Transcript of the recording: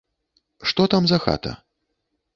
Што там за хата?